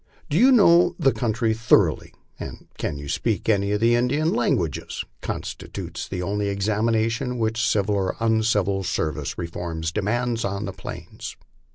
Do you^mow the country thoroughly? and can you speak any of the Indian languages? constitute the only examination which civil or uncivil service reform demands on the plains.